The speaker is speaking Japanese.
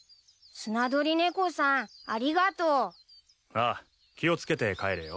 ああ気を付けて帰れよ。